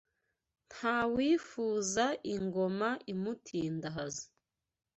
Nta wifuza ingoma imutindahaza